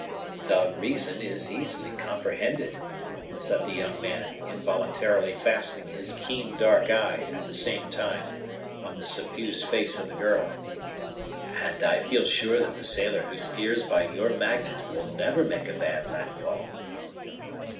"The reason is easily comprehended," said the young man, involuntarily fastening his keen dark eye, at the same time, on the suffused face of the girl; "and I feel sure that the sailor who steers by your Magnet will never make a bad landfall."